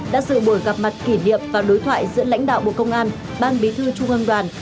đã dự buổi gặp mặt kỷ niệm và đối thoại giữa lãnh đạo bộ công an ban bí thư trung ương đoàn